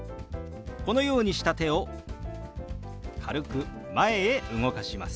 このようにした手を軽く前へ動かします。